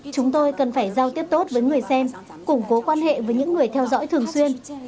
chúng tôi cần phải giao tiếp tốt với người xem củng cố quan hệ với những người theo dõi thường xuyên